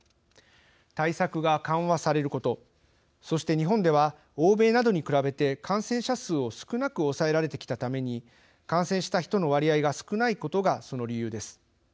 対策が緩和されることそして日本では欧米などに比べて感染者数を少なく抑えられてきたために感染した人の割合が少ないことが、その理由です。